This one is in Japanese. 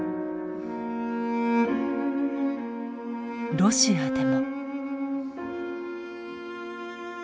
ロシアでも。